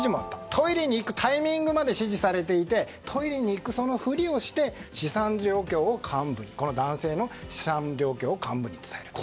トイレに行くタイミングまで指示されていてトイレに行くふりをしてこの男性の資産状況を幹部に伝えていたと。